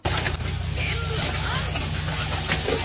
全部半！